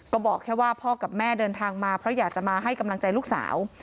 ก็บอกแค่ว่าพ่อกับแม่เดินทางมาเพราะอยากจะมาให้กำลังใจลูกสาว